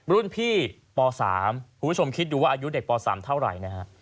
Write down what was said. รุ่นพี่ป๓คุณผู้ชมคิดดูว่าอายุเด็กป๓เท่าไหร่นะฮะ